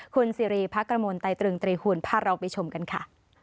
คุณซีรีย์พระกรมนต์ไต้ตรึงตรีหุ่นพาเราไปชมกันค่ะ